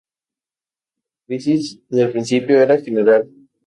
La crisis del principado era general.